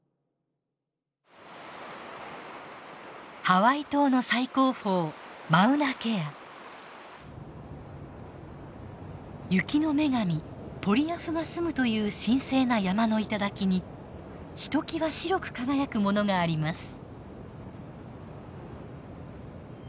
ハワイ島の最高峰雪の女神ポリアフが住むという神聖な山の頂にひときわ白く輝くものがあります。